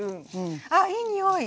あいいにおい。